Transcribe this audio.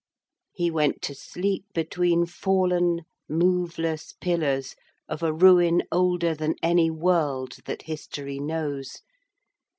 He went to sleep between fallen moveless pillars of a ruin older than any world that history knows.